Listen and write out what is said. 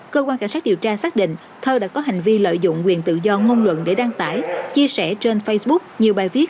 cơ quan cảnh sát điều tra xác định thơ đã có hành vi lợi dụng quyền tự do ngôn luận để đăng tải chia sẻ trên facebook nhiều bài viết